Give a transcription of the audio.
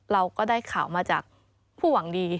เราก็ได้ข่าวมาจากผู้หวังดี